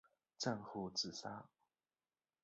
战后自杀。